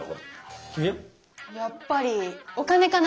やっぱりお金かな。